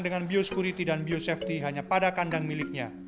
dengan biosecurity dan biosafety hanya pada kandang miliknya